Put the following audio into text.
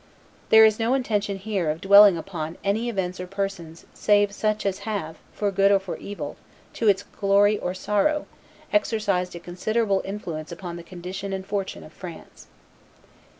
There is no intention here of dwelling upon any events or persons save such as have, for good or for evil, to its glory or its sorrow, exercised a considerable influence upon the condition and fortune of France.